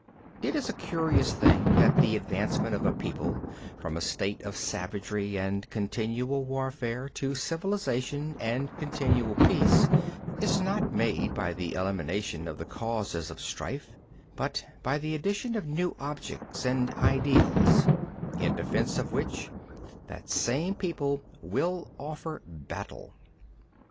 It is a curious thing that the advancement of a people from a state of savagery and continual warfare to civilization and continual peace is not made by the elimination of the causes of strife, but by the addition of new objects and ideals, in defense of which that same people will offer battle.